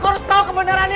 aku harus tau kebenarannya